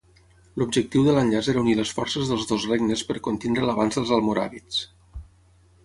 L'objectiu de l'enllaç era unir les forces dels dos regnes per contenir l'avanç dels almoràvits.